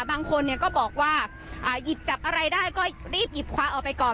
บางคนเนี่ยก็บอกว่าหยิบจับอะไรได้ก็รีบหยิบคว้าออกไปก่อน